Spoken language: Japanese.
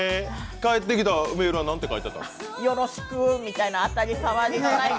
帰ってきたメールは何て書いてあったの？